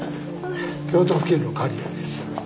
京都府警の狩矢です。